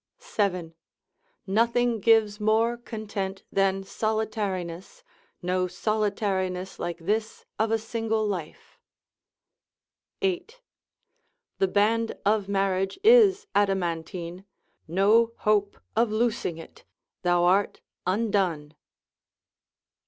—7. Nothing gives more content than solitariness, no solitariness like this of a single life,—8. The band of marriage is adamantine, no hope of losing it, thou art undone.